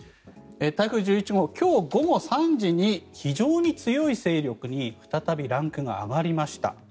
台風１１号、今日午後３時に非常に強い勢力に再びランクが上がりました。